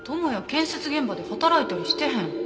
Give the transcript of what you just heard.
建設現場で働いたりしてへん。